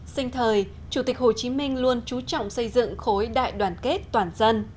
sinh thời chủ tịch hồ chí minh luôn trú trọng xây dựng khối đại đoàn kết toàn dân